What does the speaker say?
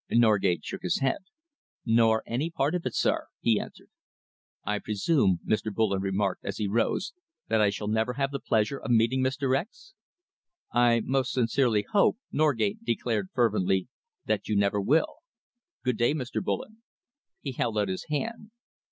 Norgate shook his head. "Nor any part of it, sir," he answered. "I presume," Mr. Bullen remarked, as he rose, "that I shall never have the pleasure of meeting Mr. X ?" "I most sincerely hope," Norgate declared fervently, "that you never will. Good day, Mr. Bullen!" He held out his hand.